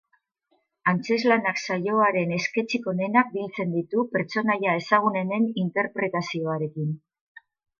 Antzezlanak saioaren esketxik onenak biltzen ditu pretsonaia ezagunenen interpretazioarekin.